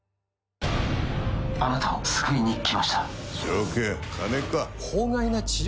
あなたを救いに来ました条件？